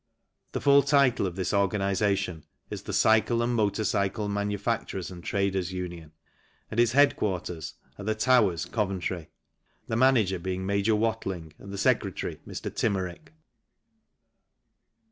The full title of this organization is The Cycle and Motor Cycle Manufacturers' and Traders' Union, and THE FUTURE OF THE INDUSTRY 117 its headquarters are The Towers, Coventry ; the manager being Major Watling and the secretary Mr. Timerick.